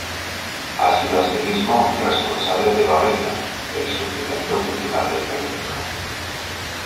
Ha sido asimismo responsable de Babelia, el suplemento cultural del periódico.